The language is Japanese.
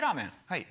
はい。